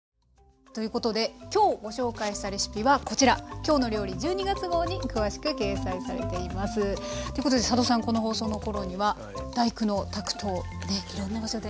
ということで今日ご紹介したレシピはこちら「きょうの料理」１２月号に詳しく掲載されています。ということで佐渡さんこの放送の頃には「第九」のタクトをいろんな場所で。